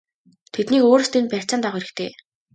Тэднийг өөрсдийг нь барьцаанд авах хэрэгтэй!!!